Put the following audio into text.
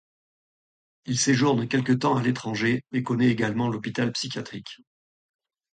Il séjourne quelque temps à l'étranger, mais connaît également l'hôpital psychiatrique.